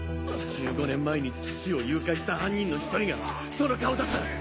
１５年前に父を誘拐した犯人の１人がその顔だった！